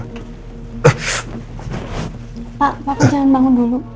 pak bapak jangan bangun dulu